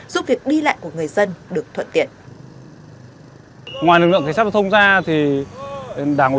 giúp việc đi lại của người dân được thuận tiện